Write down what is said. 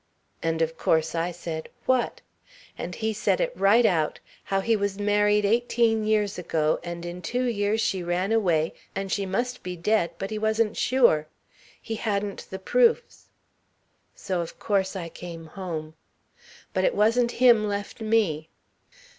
And of course I said, 'What?' And he said it right out how he was married eighteen years ago and in two years she ran away and she must be dead but he wasn't sure. He hadn't the proofs. So of course I came home. But it wasn't him left me."